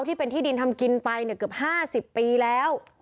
ที่เป็นที่ดินทำกินไปเนี่ยเกือบห้าสิบปีแล้ว